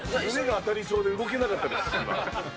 当たりそうで動けなかったです、今。